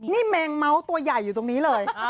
นี่แมงเม้าตัวใหญ่อยู่ตรงนี้เลย